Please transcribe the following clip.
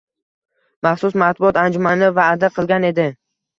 maxsus matbuot anjumani va’da qilgan edi.